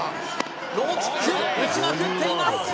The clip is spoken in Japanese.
ローキック打ちまくっています